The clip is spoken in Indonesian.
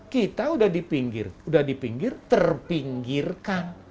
kita sudah di pinggir sudah di pinggir terpinggirkan